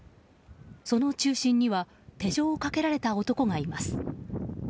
その中心には手錠をかけられた男がいます。